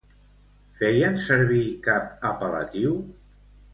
Feien servir cap apel·latiu?